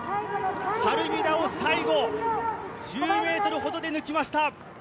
猿見田を最後、１０ｍほどで抜きました！